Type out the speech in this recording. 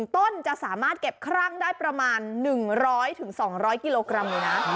ต้นจะสามารถเก็บครั่งได้ประมาณ๑๐๐๒๐๐กิโลกรัมเลยนะ